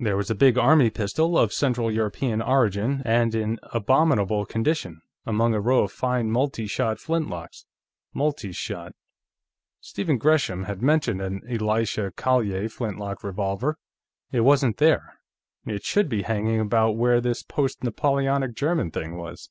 There was a big army pistol, of Central European origin and in abominable condition, among a row of fine multi shot flintlocks. Multi shot ... Stephen Gresham had mentioned an Elisha Collier flintlock revolver. It wasn't there. It should be hanging about where this post Napoleonic German thing was.